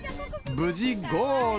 無事ゴール！